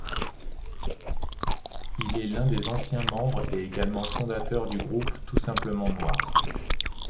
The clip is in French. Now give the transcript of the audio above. Il est l'un des anciens membres et également fondateur du groupe Tout simplement noir.